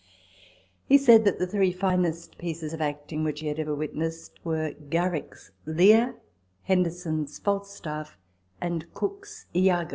He said that the three finest pieces of acting which he had ever witnessed were Garrick's Lear, Henderson's Falstaff, and Cooke's lago.